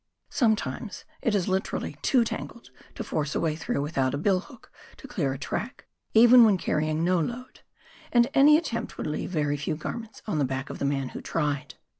Sometimes it is literally too tangled to force a way through without a bill hook to clear a track, even when carrying no load ; and any attempt would leave very few garments on the back of the man who tried.